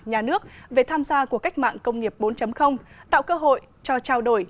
nhà nước về tham gia của cách mạng công nghiệp bốn tạo cơ hội cho trao đổi